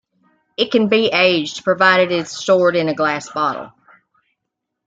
It can be aged provided it is stored in a glass bottle.